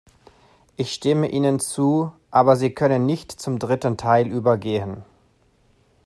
Ich stimme Ihnen zu, aber Sie können nicht zum dritten Teil übergehen.